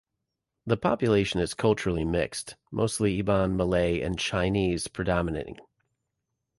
The population is culturally mixed, with mostly Iban, Malay and Chinese predominating.